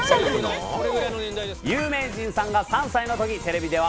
有名人さんが３歳の時テレビでは。